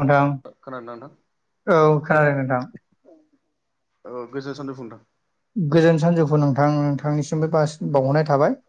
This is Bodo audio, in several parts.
नैंथां औ खोनादों नोंथां [inaudible] गोजोन सानजौफु नोंथां नोंथांनिसिमबो बसि बावहरनाय थाबाय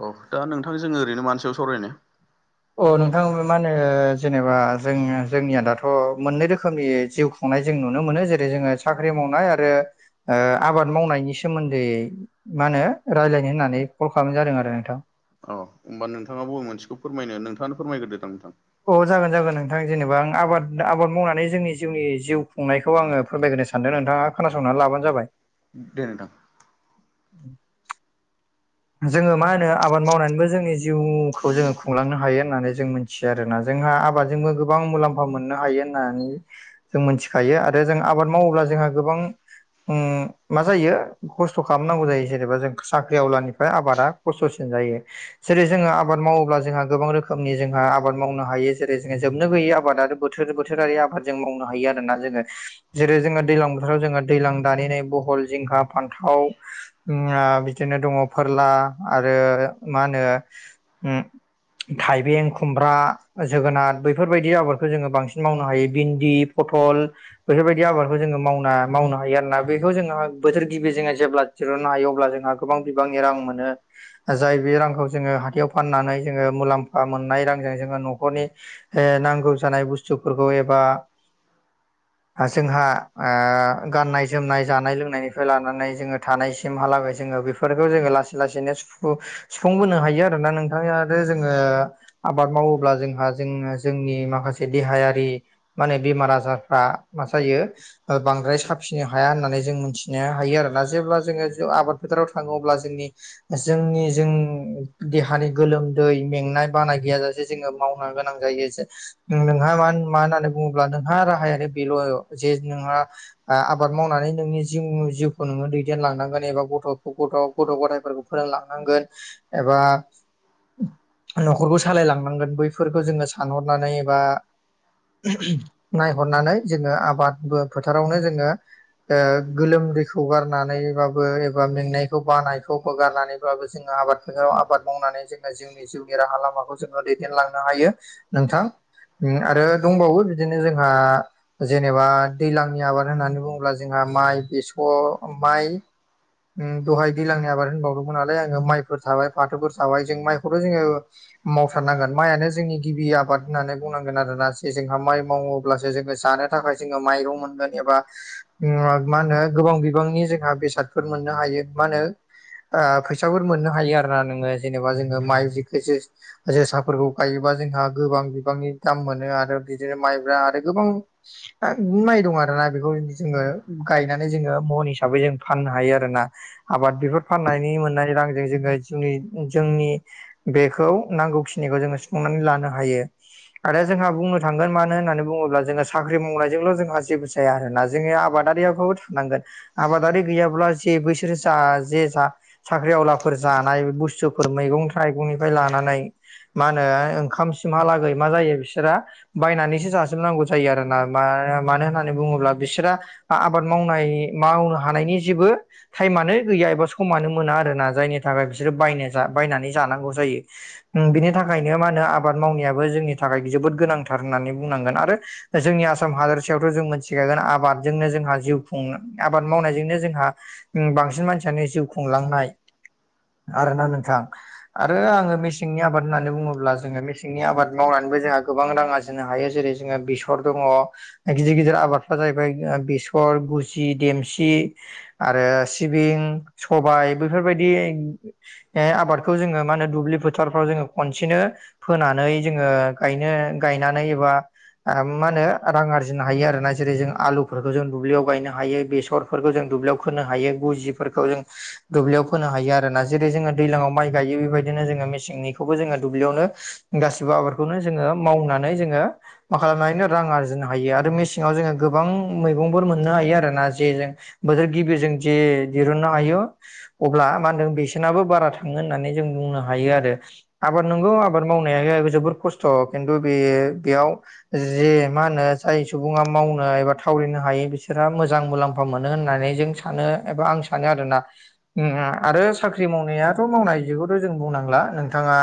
औ दा नोंथां जोङो ओरैनो मानि सायाव सावरायनो अ नोंथां मा होनो जेनेबा जों जोंनिया दाथ' मोननै रोखोमनि जिउ खुंनाय जों नुनो मोनो जेरै जोङो साख्रि मावनाय आरो आबाद मावनायनि सोमोन्दै मा होनो रायज्लायनो होननानै कल खालामनाय जादों आरो नोंथां औ होमबा नोंथाङा बबे मोनसेखौ फोरमायनो नोंथाङानो फोरमायगोरदोदां नोंथां अ जागोन जागोन नोंथां जेनेबा आं आबाद आबाद मावनानै जोंनि जिउनि जिउ खुंनायखौ आङो फोरमायगोनो सान सानदों नोंथाङा खोनासंनानै लाबानो जाबाय दे नोंथां जोङो मा होनो आबाद मावनानैबो जोंनि जिउखौ जोङो खुंलांनो हायो होननानै जों मिथि मिथियो आरोना जोंहा आबादजोंबो गोबां मुलाम्फा मोननो हायो होननानै जों मोनथिखायो आरो जों आबाद मावोब्ला जोंहा गोबां उम मा जायो खस्थ' खालामनांगौ जायो जेनेबा जों साख्रि आवलानिफ्राय बेफ्राय आबादा खस्थ'सिन जायो जेरै जोङो आबाद मावोब्ला जोंहा गोबां रोखोमनि जोंहा आबाद मावनो हायो जेरै जोङो जोबनो गैयै आबाद आरो बोथोर बोथोरारि आबाद जों मावनो हायो आरोना जोङो जेरै जोङो दैलां बोथोराव जोङो दैलां दानि बहल जिंखा फान्थाव ओ बिदिनो दङ फोरला आरो मा होनो थाइबें खुमब्रा जोगोनार बैफोरबायदि आबादखौ जोङो बांसिन मावनो हायो भिन्दि फटल बेफोरबायदि आबादखौ जोङो मावना मावनो हायो आरोना बेखौ जोंहा बोथोर गिबि जोङो जेब्ला दिरननो हायो अब्ला जोंहा गोबां बिबांनि रां मोनो। जाय बे रांखौ जोङो हाथायाव फाननानै जोङो मुलाम्फा मोननाय रांजों जोङो न'खरनि ओ नांगौ जानाय बुस्थुफोरखौ एबा जोंहा ओ गाननाय जोमनाय जानाय लोंनायनिफ्राय लानानै जोङो थानाय सिमहालागै जोङो बेफोरखौ जोङो लासै लासैनो सुुफु सुफुंबोनो हायो आरोना नोंथा आरो जोङो आबाद मावोब्ला जोंहा जों जोंनि माखासे देहायारि माने बेमार आजारफ्रा मा जायो बांद्राय साफिनो हाया होननानै जों मिथि नो हायो आरोना जेब्ला जोङो आबाद फोथाराव थाङो अब्ला जोंनि जोंनि जों देहानि गोलोमदै मेंनाय बानाया गैया ज- जोङो मावनो गोनां जायो जे नोंहा मा मा होननानै बङ अब्ला नोंहा राहायानो बेल' जे नोंहा आबाद मावनानै नोंनि जिउ जिउखौ नोङो दैदेनलांनांगोन एबा गथ' गथ' गथायफोरखौ फोरोंलांनांगोन एबा न'खरखौ सालायलां नांगोन बैफोरखौ जोङो सानहरनानै एबा नायहरनानै जोङो आबाद बो फोथारावनो जोङो ओ गोलोमदैखौ गारनानैबाबो एबा मेंनायखौ बानायखौबो गारनानैब्ला जोङो आबादफोराव आबाद मावनानै जों जिउनि राहा लामाखौ जोङो दैदेलांनो हायो नोंथां ओं आरो दं दंबावो बिदिनो जोंहा जेनेबा दैलांनि आबाद होननानै बुङोब्ला जोंहा माइ बेस' माइ दहाय दैलांनि आबाद होनबावदोंमोन नालाय आङो माइफोर थाबाय फाथोफोर थाबाय जों माइखौथ' जोङो मावथारनांगोन माइयानो जोंनि गिबि आबाद होननानै बुंनांगोन आरोना जि जों माइ मावोब्लासो जोङो जानो थाखाय जोङो माइरं मोनगोन एबा ओम मा होनो गोबां बिबांनि जोंहा बेसादफोर मोननो हायो मा होनो ओ फैसाफोर मोननो हायो आरो ना नोङो जेनेबा जोङो माइ जिखो जिस जोसाफोरखौ गायोबा जोंहा गोबां बिबांनि दाम मोनो आरो बिदिनो माइब्रा आरो गोबां बिराज माइ दं आरो ना बेखौ जोङो गायनानै जोङो मन हिसाबै जों फाननो हायो आरोना आबाद बेफोर फाननायनि मोननाय रांजों जोङो जिउनि जोंनि बेखौ नांगौखिनिखो जोङो सुफुंनानै लानो हायो आरो जोंहा बुं नांगोन मानो होननानै बुङोब्ला जोङो साख्रि मावनायजोंल' जोंहा जेबो जाया आरोना जोंनि आबादारियाबाबो थानांगोन। आबादारि गैयाब्ला जे बैसोर जा जे जा साख्रि आवलाफोर जानाय बुस्थु फोर मैगं थाइगंनिफ्राय लानानै मा होनो ओंखामसिमहालागै मा जायो बिसोरा बायनानैसो जाजोबनांगौ जायो आरोना मा मानो होननानै बुङोब्ला बिसोरा आबाद मावनाय मावनो हानायनि जेबो टाइमानो गैया एबा समा ओं बिनि थाखायनो मा होनो आबाद मावनायाबो जोंनि थाखाय जोबोद गोनांथार होननानै बुंनांगोन आरो जोंनि आसाम हादोरसायावथ' जों मोनथिखागोन आबादजोंनो जोंहा जिउ ओं आबाद मावनायजोंनो जोंहा ओं बांसिन मानसियानो जिउ खुंलांनाय। आरोना नोंथां आरो आङो मेसेंनि आबाद होननानै बुङोब्ला जोङो मेसें सेंनि आबाद मावनानैबो जोंहा गोबां रां आरजिनो हायो जेरै जोङो बेसर दङ गिदिर - गिदिर आबादफ्रा जाहैबाय ओ बेसर गुजि देमसि आरो सिबिं सबाय बेफोरबायदि ओ आबाद खौ जोङो मा होनो दुब्लि फोथारफ्राव जोङो खनसेनो फोनानै जोङो गायनो गायनानै एबा आं मा होनो रां आरजिनो हायो आरोना जेरै जों आलुफोरखौ जों दुब्लियाव गायनो हायो बेसर जों दुब्लियाव खोनो हायो गजिफोरखौ जों दुब्लियाव फोनो हायो आरो ना जेरै जोङो दैलाङाव माइ गायो बेबायदिनो जोङो मेसेंनिखौबो जोङो दुब्लियावनो गासिबो आबादखौनो जोङो मावनानै जोङो मा खालामनोनो रां आरजिनो हायो आरो मेसेङाव जोङो गोबां मैगंफोर मोननो हायो आरो ना जे जों बोथोर गिबि जों जे दिरुननो हायो। अब्ला मा होनदों बेसेनाबो बारा थाङो होननानै जों बुंनो हायो आरो। आबाद नंगौ आबाद मावनाया जोबोर खस्थ' खिन्थु बे बेयाव जे मा होनो जाय सुबुङा मावनो एबा थावरिनो हायो बिसोरहा मोजां मुलाम फा मोनो होननानै जों सानो एबा आं सानो आरोना। ओं आरो साख्रि मावनायाथ' मावनायखौथ' जों बुंनांला नोंथाङा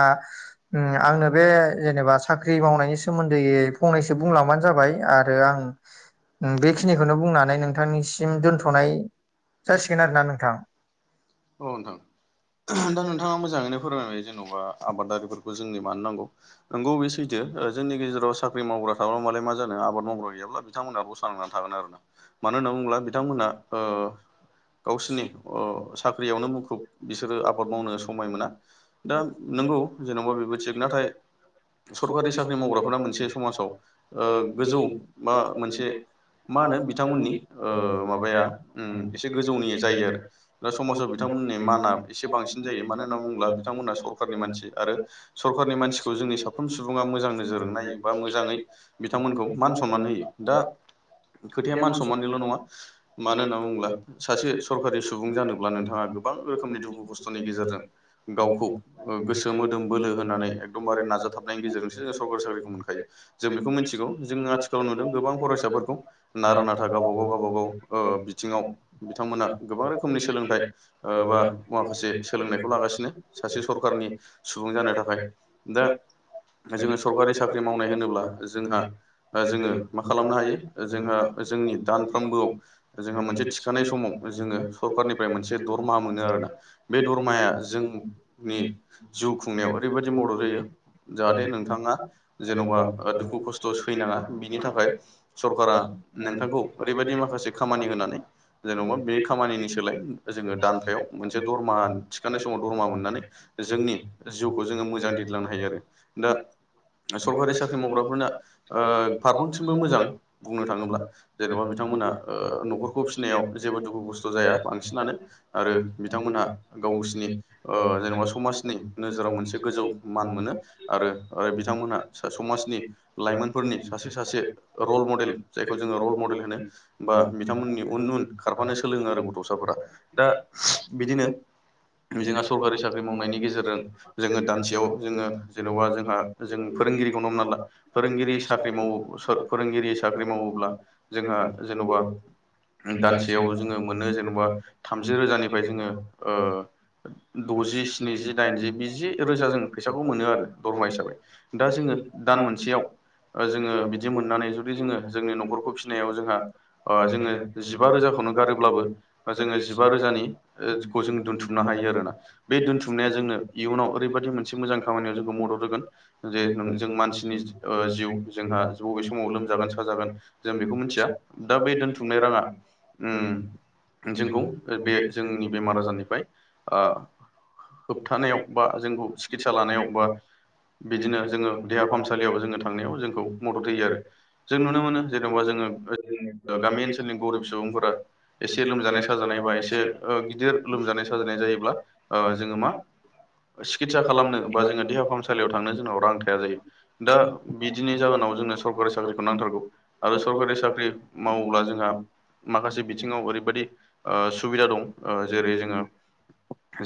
ओ आंनो बे जेनेबा साख्रि मावनायनि सोमोन्दैयै फंनैसो बुंलांबानो जाबाय आरो आं ओ बेखिनिखोनो बुंनानै नोंथांनिसि ओ दोनथ'नाय जासिगोन आरोना नोंथां। औ नोंथां दा नोंथाङा मोजाङैनो फोरमायबाय जेन'बा आबादारिफोरखौ जोंनो मानो नांगौ। नंगौ बे सैथो ओ जोंनि गेजेराव साख्रि मावग्रा थाब्ला मालाय मा जानो आबाद मावग्रा गैयाब्ला। बिथांमोना र'सा नांनानै थागोन आरो ना। मानो होनना बुङोब्ला बिथांमोनहा ओ गावसोरनि अ यावनो मुखुब बिसोरो आबाद मावनो समाय मोना दा नंगौ जेनेबा बेबो थिग नाथाय सरखारि साख्रि मावग्राफोरा मोनसे समाजाव ओ गोजौ बा मोनसे मा होनो बिथांमोननि ओ माबाया उम एसे गोजौनि जायो आरो ‌ दा समाजाव बिथांमोननि माना एसे बांसिन जायो मानो होनना बुङोब्ला बिथांमोना सरखारनि मानसि आरो सरखारनि मानसिखौ जोंनि साफ्रोम सुबुङा मोजां नोजोरजों नायो बा मोजाङै बिथांमोनखौ मान सनमान होयो। दा खोथाया मान सनमाननिल' नङा मानो होनना बुङोब्ला सासे सरकारि सुबुं जानो नोंथाङा गोबां रोखोमनि दुखु खस्थ'नि गेजेरजों गावखौ गोसो मोदोम बोलो होनानै दमबारे नाजाथाबनायनि गेजेरजोंसो जों सरकारि साख्रिखौ मोनखायो जों बेखौ मिथिगौ जों आथिखालाव नुदों गोबां फरायसाफोरखौ नारा नाथा गावब गाव गावब गाव ओ बिथिङाव बिथांमोना गोबां रोखोमनि सोलोंथाइ ओ बा माखासे सोलोंनायखौ लागासिनो सासे सरखारनि सुबुं जानो थाखाय। दा जोङो सरकारि साख्रि मावनाय होनोब्ला जोंहा जोङो मा खालामनो हायो जोंनि दानफ्रोमबोआव जोंहा मोनसे थिखानाय समाव जोङो सरकखारनि मोनसे दरमा मोनो आरोना बे दरमाया जोंनि जुग खुंनायाव ओरैबायदि मदद होयो जाहाथे नोंथाङा जेन'बा दुखु खस्थ' सैनाङा बिनि थाखाय सरकारा नोंथांखौ ओरैबायदि माखासे खामानि होनानै जेनेबा बे खामानिनि सायाव सोलाय जोङो दानथायाव मोनसे दरमा थिखानाय समाव दरमा मोननानै जोंनि जिउखौ जोङो मोजां दैदलांनो हायो आरो दा सरकारि साख्रि मावग्राफोरना ओ फारफ्रोमथिंबो मोजां। बुंनो थाङोब्ला जेन'बा बिथांमोना ओ न'खरखौ फिसिनायाव जेबो दुखु खस्थ' जाया। बांसिनानो आरो बिथांमोनहा गावसिनि ओ जेनेबा समाजनि नोजोराव मोनसे गोजौ मान मोनो आरो बिथांमोनहा समाजनि लाइमोनफोरनि सासे सासे रल मडेल जायखौ जोङो रल मडेल होनो बा बिथांमोननि उन उन खारफानो सोलोङो आरो गथ'साफोरा दा बिदिनो जोंहा सरकारि साख्रि मावनायनि गेजेरजों जोङो दानसेयाव जोङो जेन'बा जोंहा जों फोरोंगिरिखौ न मोनना ला फोरोंगिरि साख्रि मावो सर फोरोंगिरि साख्रि मावोब्ला जोंहा जेन'बा दानसेयाव जोङो मोनो जेनेबा थामजि रोजानिफ्राय जोङो ओ द'जि स्निजि दाइनजि बि रोजा जों फैसाखौ मोनो आरो दरमा हिसाबै। दा जोङो दान मोनसेयाव ओ जोङो बिदि मोन नानै जुदि जोङो जोंनि न'खरखौ फिसिनायाव जोंहा अ जोङो जिबा रोजाखौनो गारोब्लाबो जोङो जिबा रोजानिखौ जों दोनथुमनो हायो आरोना बे दोनथुमनाया जोंनो इयुनाव ओरैबदि मोनसे मोजां खामानियाव जोंखौ मदद होगोन जे जों मानसिनि ओ जिउ जोंहा बबे सम जागोन जों बेखौ मिथिया दा बै दोनथुमनाय राङा उम जोंखौ बे जोंनि बेमार आजारनिफ्राय ओ [unintelligible] बिदिनो जोंना देहा फाहामसालिआव [unintelligible] जेनेबा जों उम गामि ओनसोलनि बर' सुबुंफोरा [unintelligible] सिकितसा खालामनो बा जोङो देहा फाहामसालियाव थांनो जोंनाव रां थाया जायो दा बिदिनि जाहोनाव जोंनो सरकारि साख्रिखौ नांथारगौ। आरो सरकारि साख्रि मावोब्ला जोंहा माखासे बिथिङाव ओरै बायदि ओ सुबिदा दं ओं जेरै जों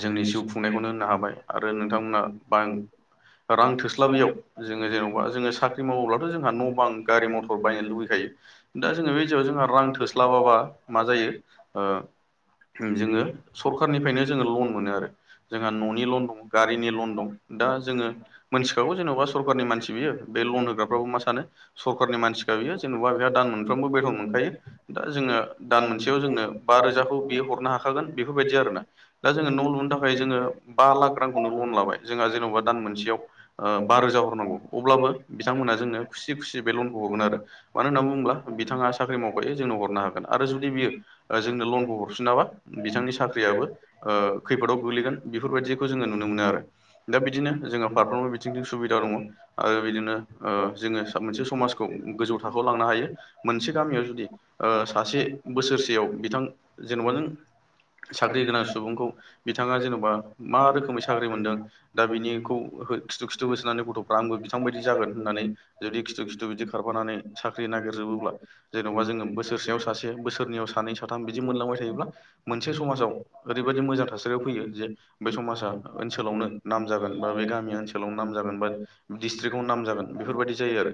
जोंनि जिउ खुंनायखौनो होननो हाबाय आरो नोंथांमोनहा बान रां थोस्लाबैयाव जोङो जेन'बा जोङो साख्रि मावोब्लाथ' जोंहा न' बां गारि मथर बायनो लुुबैखायो। दा जोङो बे जायाव जोंहा रां थोस्लाबाबा मा जायो ओ जोङो सरखारनिफ्रायनो जोङो लन मोनो आरो जोंहा न'नि लन दं गारिनि लन दं दा जोङो मोनथिखागौ जेन'बा सरखारारनि मानसि बियो बे लन होग्राफ्राबो मा सानो सरखारनि मानसिखा बियो जेन'बा बेहा दान मोनफ्रोमबो बेथन मोनखायो दा जोङो दान मोनसे मोनसेयाव जोंनो बा रोजाखौ बियो हरनो हाखागोन बेफोरबायदि आरोना दा जोङो न' लुनो थाखाय जोङो बा लाख रांखौनो लन लाबाय जोंहा जेनेबा दान मोनसेयाव ओ बा रोजा हरनांगौ अब्लाबो बिथांमोना जोंनो खुसि खुसि बे लनखौ हरगोन आरो मानो होनना बुङोब्ला बिथाङा साख्रि मावखायो जोंननो हरनो हागोन आरो जुदि बियो जोंनो लनखौ हरफिनाबा बिथांनि साख्रियाबो ओ खैफोदाव गोग्लैगोन बेफोरबायदिखौ जोङो नुनो मोनो आरो दा बिदिनो जोंहा फारफ्रोमबो बिथिंजों सुबिदा दङ आरो बिदिनो ओ जोङो मोनसे समाजखौ गोजौ थाखोआव लांनो हायो। मोनसे गामियाव जुदि ओ सासे बोसोरसे याव बिथां जेन'बा नों साख्रि गोनां सुबुंखौ बिथाङा जेन'बा मा रोखोमै साख्रि मोनदों दा बिनिखौ हो खिथु खिथु होसोनानै गथ' आंबो बिथांबायदि जागोन होननानै जुदि खिथु खिथु बिदि खारफानानै साख्रि नागिरजोबोब्ला जेन'बा जोङो बोसोरसेयाव सासे बोसोरनैयाव सानै साथाम बिदि मोनलांबाय थायोब्ला मोनसे समाव ओरैबायाददि मोजां थासारियाव फैयो जे बे समाजा ओनसोलावनो नाम जागोन बा बे गामि ओनसोलावनो नाम जागोन बा डिस्ट्रिक्टआव नाम जागोन बेफोरबायदि जायो आरो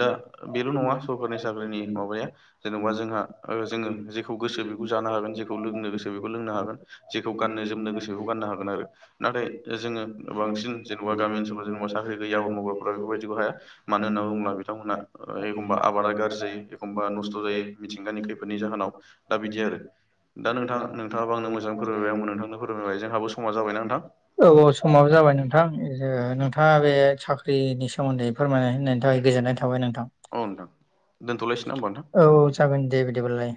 दा बेल' नङा सरकारनि साख्रिनि माबाया जेन'बा जोंहा ओ जोङो जेखौ गोसो बेखौ जानो हागोन जेखौ लोंनो गोसो बेखौ लोंनो हागोन जेखौ गाननो जोमनो गोसोखौ गाननो हागोन आरो नाथाय जोङो बांसिन जेनेबा गामि ओनसोलाव जेनेबा साख्रि गैयबा मावबाफोरारा बेफोरबायदिखौ हाय मानो होनना बुङोब्ला बिथांमोनहा एखमबा आबादा गाज्रि जायो एखमबा नस्थ' जायो मिथिंगानि खैफोदनि जाहोनाव दा बिदि आरो दा नोंथा नोंथाङाबा आंनो मोजाङै फोरायबाय आंबो नोंथांखौ [unintelligible] औ औ समाबो जाबाय नों थां जों नोंथाङा बे साख्रिनि सोमोन्दै फोरमायना होननायनि थाखाय गोजोननाय थाबाय नोंथां। औ नोंथां दोनथ'लायसै ना होमबा नोंथां। जागोन दे बिदिबालाय।